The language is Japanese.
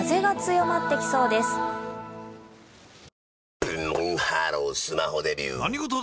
ブンブンハロースマホデビュー！